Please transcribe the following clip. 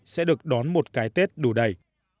sẽ được đón một cái tết đủ đầy